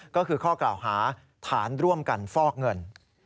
ก็คือข้อกล่าวหาฐานร่วมกันฟอกเงิน